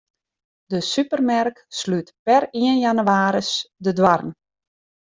De supermerk slút per ien jannewaris de doarren.